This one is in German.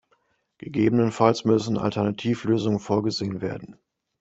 Gegebenfalls müssen Alternativlösungen vorgesehen werden.